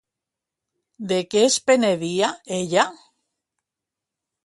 De què es penedia ella?